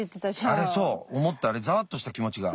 あれそう思ったあれざわっとした気持ちが。